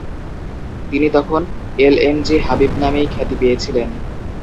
তিনি তখন এলএমজি হাবিব নামেই খ্যাতি পেয়েছিলেন।